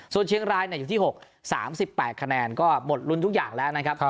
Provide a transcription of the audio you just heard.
ส่วนเชียงรายอยู่ที่๖๓๘คะแนนก็หมดลุ้นทุกอย่างแล้วนะครับ